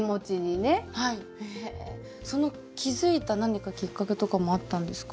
へえその気付いた何かきっかけとかもあったんですか？